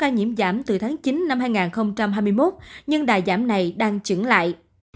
nhiễm giảm từ tháng chín năm hai nghìn hai mươi một nhưng đài giảm này đang chững lại